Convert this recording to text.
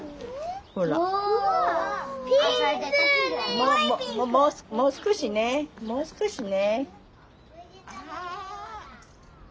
もう少しねもう少しね。